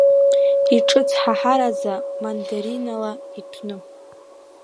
Иҿыцҳаҳараӡа, мандаринала иҭәны!